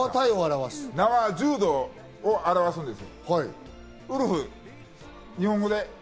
名は柔道を表すんです。